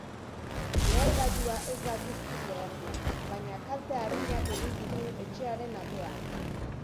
Lehergailua ez da guztiz lehertu, baina kalte arinak egin ditu etxearen atean.